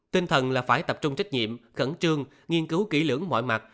tinh thần là phải tập trung trách nhiệm khẩn trương nghiên cứu kỹ lưỡng mọi mặt